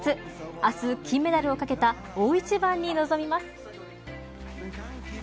明日、金メダルをかけた大一番に臨みます。